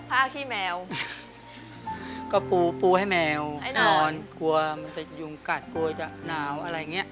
ขี้แมวก็ปูปูให้แมวให้นอนกลัวมันจะยุงกัดกลัวจะหนาวอะไรอย่างเงี้